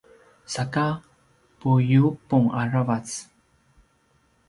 saka puiyubung aravac